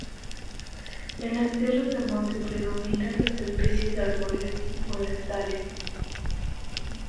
En las tierras de monte predominan las especies arbóreas forestales.